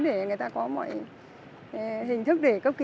để người ta có mọi hình thức để cấp cứu cho chị